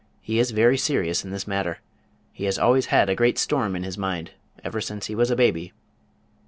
He is very serious in this matter. He has always had a great storm in his mind ever since he was a baby."